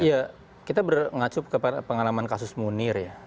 iya kita beranggap kepada pengalaman kasus munir ya